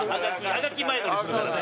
あがき前乗りするからね。